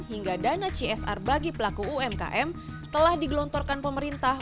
hingga dana csr bagi pelaku umkm telah digelontorkan pemerintah